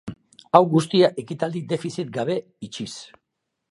Hau guztia ekitaldia defizit gabe itxiz.